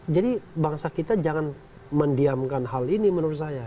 bangsa kita jangan mendiamkan hal ini menurut saya